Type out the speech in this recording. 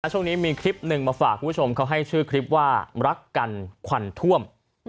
ช่วงนี้มีคลิปหนึ่งมาฝากคุณผู้ชมเขาให้ชื่อคลิปว่ารักกันควันท่วม